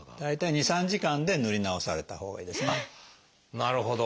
なるほど。